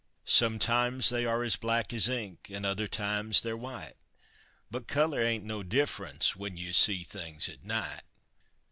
Sometimes they are as black as ink, an' other times they're white But the color ain't no difference when you see things at night!